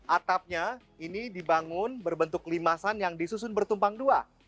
atapnya ini dibangun berbentuk limasan yang disusun bertumpang dua